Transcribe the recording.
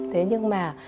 thế nhưng mà